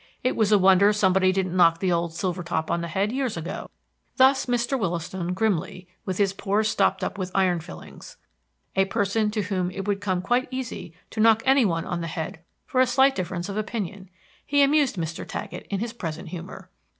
It was a wonder somebody didn't knock the old silvertop on the head years ago. Thus Mr. Wollaston grimly, with his pores stopped up with iron fillings, a person to whom it would come quite easy to knock any one on the head for a slight difference of opinion. He amused Mr. Taggett in his present humor.